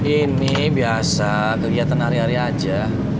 ini biasa kegiatan hari hari aja